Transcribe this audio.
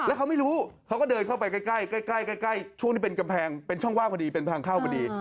แล้วเขาไม่รู้เขาก็เดินเข้าไปใกล้ช่วงที่เป็นกำแพงเป็นช่องว่างพอดีเป็นทางเข้าพอดี